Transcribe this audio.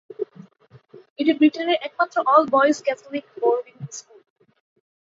এটি ব্রিটেনের একমাত্র all- boys Catholic boarding school.